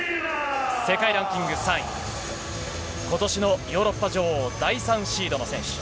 世界ランキング３位、ことしのヨーロッパ女王、第３シードの選手。